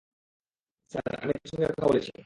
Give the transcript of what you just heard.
Sir, আমি তার সাথে কথা বলছি।